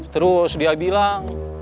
terus dia bilang